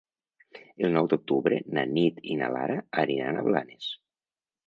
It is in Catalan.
El nou d'octubre na Nit i na Lara aniran a Blanes.